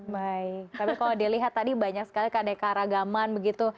baik tapi kalau dilihat tadi banyak sekali kedeka ragaman begitu